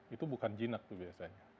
itu bukan jinak tuh biasanya